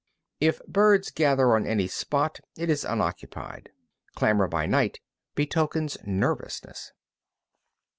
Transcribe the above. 32. If birds gather on any spot, it is unoccupied. Clamour by night betokens nervousness.